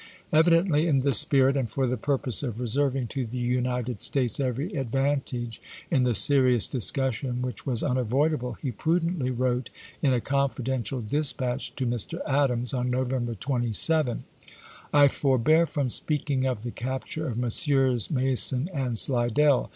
Evidently in this spirit, and 32 ABEAHAM LINCOLN ch.vp. II. for the purpose of reserving to the United States every advantage in the serious discussiou which was unavoidable, he prudently wrote in a confi 1861. deiitial dispatch to Mr. Adams, on November 27 :" I forbear from speaking of the capture of Messrs. Mason and Slidell.